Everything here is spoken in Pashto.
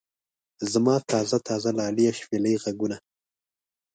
زما تازه تازه لاليه شپېلۍ غږونه.